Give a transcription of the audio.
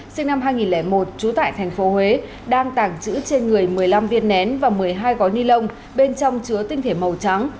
sinh năm hai nghìn một trú tại tp huế đang tàng trữ trên người một mươi năm viên nén và một mươi hai gói ni lông bên trong chứa tinh thể màu trắng